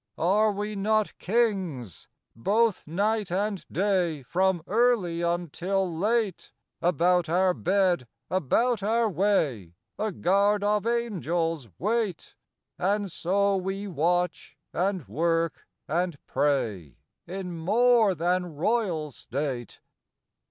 Are we not Kings ? both night and day, From early until late, About our bed, about our way, A guard of Angels wait; And so we watch and work and pray In more than royal state.